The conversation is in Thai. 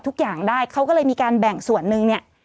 ทุกอย่างได้เขาก็เลยมีการแบ่งส่วนหนึ่งเนี่ย